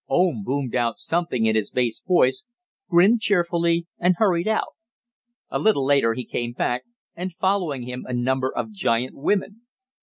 Oom boomed out something in his bass voice, grinned cheerfully, and hurried out. A little later he came back, and following him, a number of giant women.